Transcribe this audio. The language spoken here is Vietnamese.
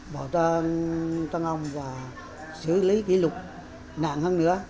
bỏ ra thân ông và xử lý kỷ lục nạn hơn nữa